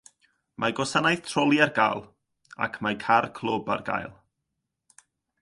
Mae gwasanaeth troli ar gael, ac mae car clwb ar gael.